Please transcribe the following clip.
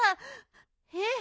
えっ？